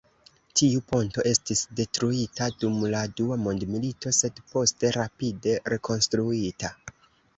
Tiu ponto estis detruita dum la dua mondmilito, sed poste rapide rekonstruita.